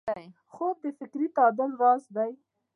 خوب د فکري تعادل راز دی